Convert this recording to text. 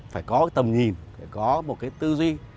phải có cái tầm nhìn phải có một cái tư duy